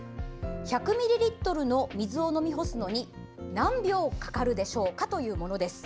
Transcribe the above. １００ミリリットルの水を飲み干すのに何秒かかるでしょうか？というものです。